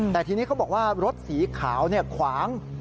แต่ทีนี้เขาบอกว่ารถสีขาวขวาง